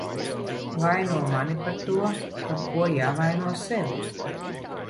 Vaino mani par to, par ko jāvaino sevi.